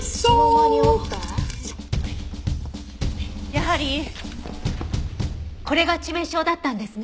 やはりこれが致命傷だったんですね。